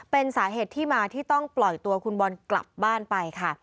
เป็นสาเหตุที่มาที่ต้องปล่อยตัวคุณบอลกลับบ้านไปค่ะ